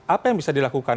apa yang bisa dilakukan